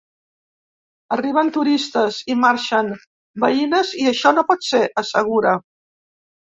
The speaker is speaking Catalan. Arriben turistes i marxen veïnes i això no pot ser, assegura.